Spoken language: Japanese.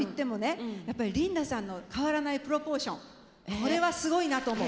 これはすごいなと思う。